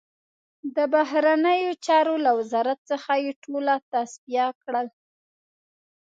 د بهرنیو چارو له وزارت څخه یې ټول تصفیه کړل.